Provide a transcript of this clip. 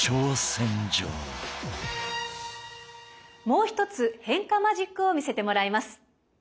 もう一つ変化マジックを見せてもらいます。